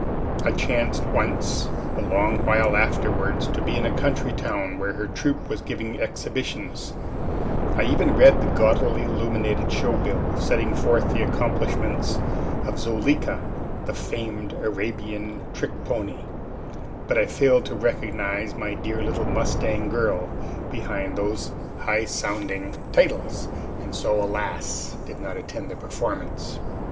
I chanced once, a long while afterwards, to be in a country town where her troupe was giving exhibitions; I even read the gaudily illumined show bill, setting forth the accomplishments of Zuleika, the famed Arabian Trick Pony but I failed to recognize my dear little Mustang girl behind those high sounding titles, and so, alas, did not attend the performance!